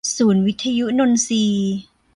ศูนย์วิทยุนนทรี